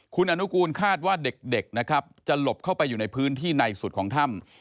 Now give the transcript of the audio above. คุณอนุกูลคาดว่าเด็กนะครับจะหลบเข้าไปอยู่ในพื้นที่ในสุดของถ้ำ